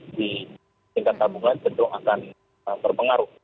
di tingkat tabungan cenderung akan berpengaruh